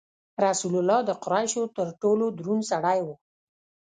رسول الله د قریشو تر ټولو دروند سړی و.